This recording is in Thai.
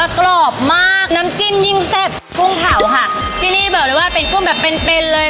กรอบมากน้ำจิ้มยิ่งแซ่บกุ้งเผาค่ะที่นี่บอกเลยว่าเป็นกุ้งแบบเป็นเป็นเลย